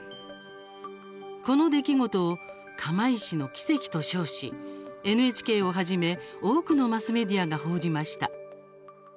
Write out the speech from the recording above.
この出来事を「釜石の奇跡」と称しＮＨＫをはじめ多くのマスメディアが報じました。